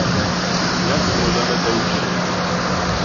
Jak możemy to uczynić?